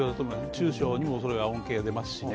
中小にも恩恵が出ますしね。